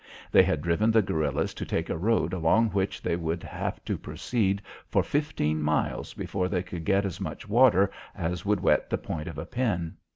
They had driven the guerillas to take a road along which they would have to proceed for fifteen miles before they could get as much water as would wet the point of a pin.